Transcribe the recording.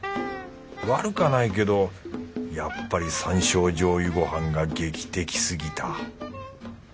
悪かないけどやっぱり山椒醤油ご飯が劇的すぎた